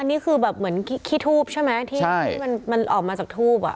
นี่คือแบบเหมือนขี้ทูบใช่ไหมที่มันออกมาจากทูบ